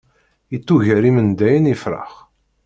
Ittuger imendayen ifrax.